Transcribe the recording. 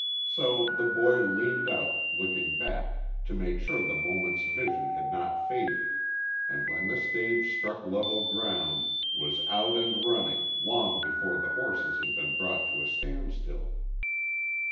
So the boy leaned out, looking back, to make sure the moment's vision had not faded, and when the stage struck level ground, was out and running, long before the horses had been brought to a stand still.